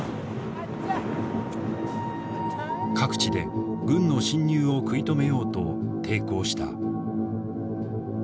各地で軍の侵入を食い止めようと抵抗した。